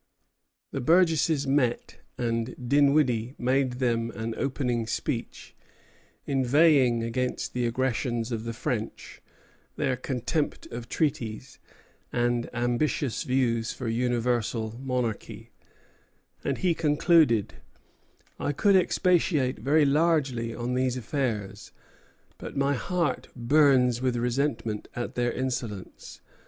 The burgesses met, and Dinwiddie made them an opening speech, inveighing against the aggressions of the French, their "contempt of treaties," and "ambitious views for universal monarchy;" and he concluded: "I could expatiate very largely on these affairs, but my heart burns with resentment at their insolence.